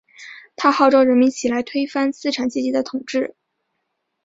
他号召人民起来推翻资产阶级的统治。